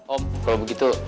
om kalau begitu